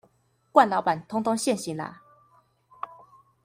慣老闆通通現形啦